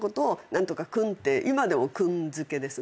今でも君付けですね。